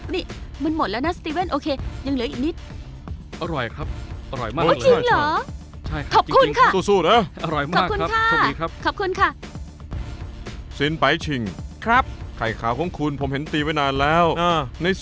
นี่มันหมดแล้วนะสติเว่นโอเคยังเหลืออีกนิด